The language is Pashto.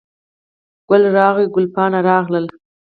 ګل راغلی، ګل پاڼه راغله